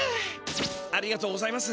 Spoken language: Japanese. ありがとうございます。